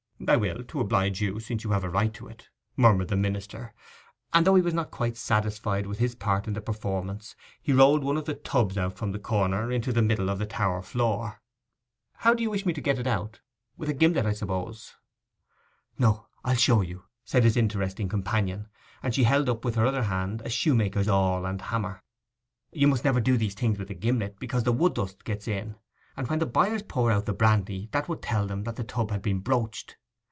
'I will, to oblige you, since you have a right to it,' murmured the minister; and though he was not quite satisfied with his part in the performance, he rolled one of the 'tubs' out from the corner into the middle of the tower floor. 'How do you wish me to get it out—with a gimlet, I suppose?' 'No, I'll show you,' said his interesting companion; and she held up with her other hand a shoemaker's awl and a hammer. 'You must never do these things with a gimlet, because the wood dust gets in; and when the buyers pour out the brandy that would tell them that the tub had been broached.